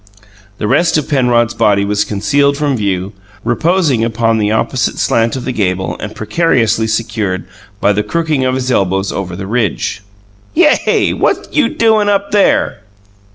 The rest of Penrod's body was concealed from view, reposing upon the opposite slant of the gable and precariously secured by the crooking of his elbows over the ridge. "Yay! What you doin' up there?"